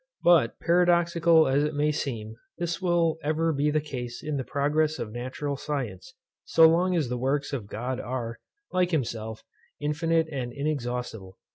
But, paradoxical as it may seem, this will ever be the case in the progress of natural science, so long as the works of God are, like himself, infinite and inexhaustible.